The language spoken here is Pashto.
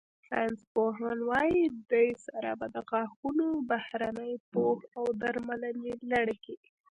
ساینسپوهان وايي، دې سره به د غاښونو بهرني پوښ او درملنې لړ کې